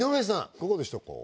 いかがでしたか？